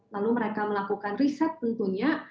lalu mereka melakukan riset tentunya